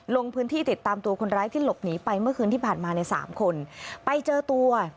ลงพื้นที่ติดตามตัวคนร้ายที่หลบหนีไปเมื่อคืนที่ผ่านมาในสามคนไปเจอตัว